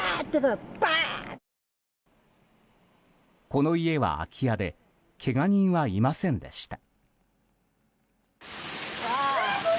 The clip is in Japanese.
この家は空き家でけが人はいませんでした。